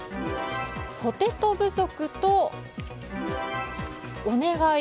ポテト不足とお願い。